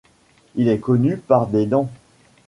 Il est connu par des dents.